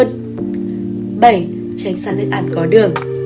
bảy tránh xa thức ăn có đường